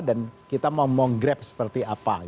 dan kita mau meng grab seperti apa